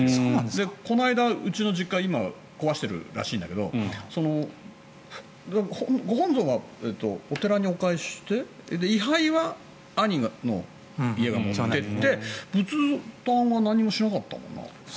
この間、うちの実家今壊しているらしいんだけどご本尊はお寺にお返しして位牌は兄の家が持っていって仏壇は何もしなかったもんな。